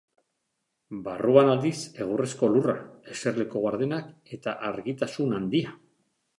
Barruan, aldiz, egurrezko lurra, eserleku gardenak eta argitasun handia.